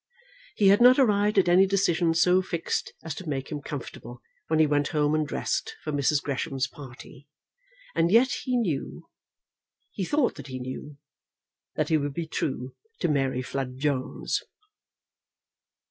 He had not arrived at any decision so fixed as to make him comfortable when he went home and dressed for Mrs. Gresham's party. And yet he knew, he thought that he knew that he would be true to Mary Flood Jones.